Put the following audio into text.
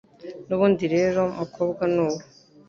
N'ubundi rero mukobwa nuwo